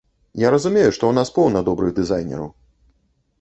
Я разумею, што ў нас поўна добрых дызайнераў.